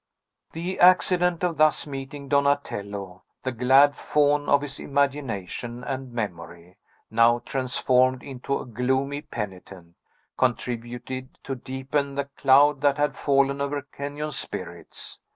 The accident of thus meeting Donatello the glad Faun of his imagination and memory, now transformed into a gloomy penitent contributed to deepen the cloud that had fallen over Kenyon's spirits.